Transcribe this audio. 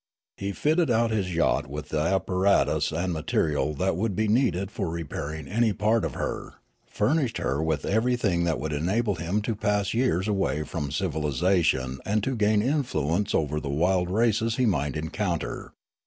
He fitted out his yacht with the apparatus and ma terial that would be needed for repairing any part of her, fur nished her with everything that would enable him to pass years away from civilisation and to gain influence over the wild races he might encounter.